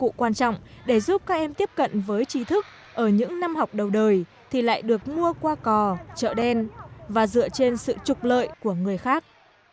nhiệm vụ quan trọng để giúp các em tiếp cận với trí thức ở những năm học đầu đời thì lại được mua qua cò chợ đen và dựa trên sự trục lợi của người khác